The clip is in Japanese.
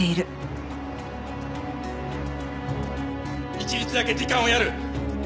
１日だけ時間をやる。